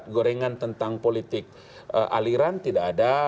gorengan tentang politik aliran tidak ada